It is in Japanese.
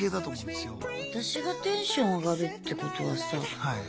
私がテンション上がるってことはさ。